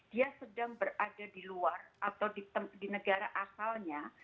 dia sedang berada di luar atau di negara asalnya